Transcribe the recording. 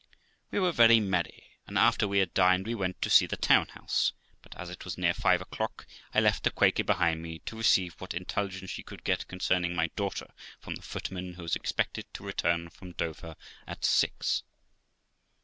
We were very merry, and after we had dined, we went to see the town house, but, as it was near five o'clock, I left the Quaker behind me, to receive what intelligence she could get concerning my daughter, from the footman, who was expected to return from Dover at six.